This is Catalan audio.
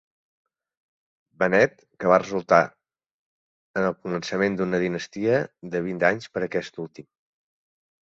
Bennett, que va resultar en el començament d'una dinastia de vint anys per a aquest últim.